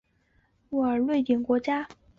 斯渥克尔王朝的瑞典国王。